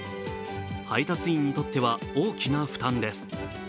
配達員にとっては大きな負担です。